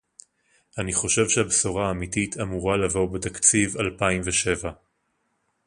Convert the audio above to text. אני חושב שהבשורה האמיתית אמורה לבוא בתקציב אלפיים ושבע